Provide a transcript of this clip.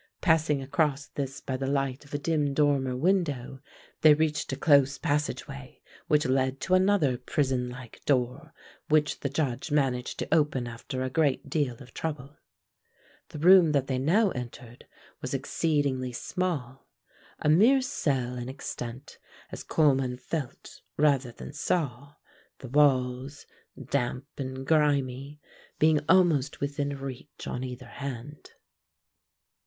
Passing across this by the light of a dim dormer window they reached a close passageway which led to another prison like door, which the Judge managed to open after a great deal of trouble. The room that they now entered was exceedingly small a mere cell in extent, as Coleman felt rather than saw, the walls, damp and grimy, being almost within reach on either hand.